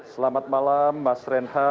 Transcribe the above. selamat malam mas renhat